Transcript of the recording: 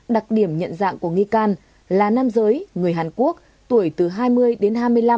đặc điểm nhận dạng của nghi can là nam giới người hàn quốc tuổi từ hai mươi đến hai mươi năm